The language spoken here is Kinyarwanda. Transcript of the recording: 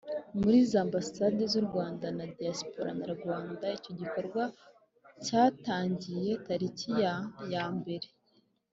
Muri za ambasade z u rwanda na diaspora nyarwanda icyo gikorwa cyatangiye tariki ya ya mbere